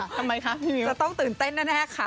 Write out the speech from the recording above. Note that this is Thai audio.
จะต้องตื่นเต้นน่ะแน่ค่ะ